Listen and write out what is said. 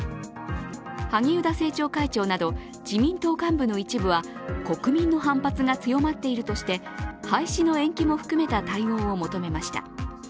萩生田政調会長など自民党幹部の一部は国民の反発が強まっているとして廃止の延期も含めた対応を求めました。